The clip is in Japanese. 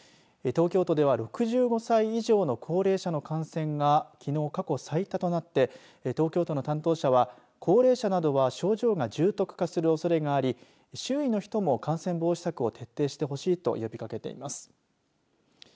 東京都では６５歳以上の高齢者の感染がきのう過去最多となって東京都の担当者は高齢者などは症状が重篤化するおそれがあり周囲の人も感染防止策を徹底してほしいと呼びかけています。